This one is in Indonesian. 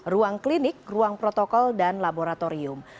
ruang klinik ruang protokol dan laboratorium